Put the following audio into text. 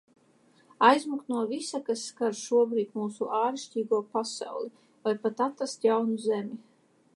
Aizmukt no visa, kas skar šobrīd mūsu ārišķīgo pasauli. Vai pat atrast jaunu Zemi.